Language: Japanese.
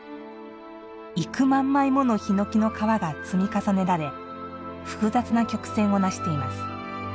幾万枚もの檜の皮が積み重ねられ複雑な曲線をなしています。